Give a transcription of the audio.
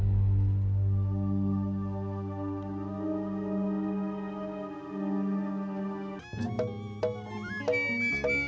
terima kasih pak